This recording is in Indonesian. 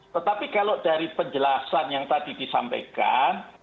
tetapi kalau dari penjelasan yang tadi disampaikan